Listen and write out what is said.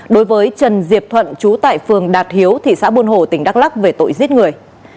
đối với trần diệp thuận trú tại phường đạt hiếu thị xã buôn hồ tỉnh đắk lắc về tội giết người